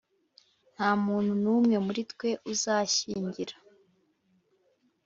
Nta muntu n’umwe muri twe uzashyingira